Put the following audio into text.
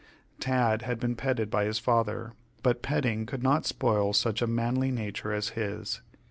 Tad had been petted by his father, but petting could not spoil such a manly nature as his.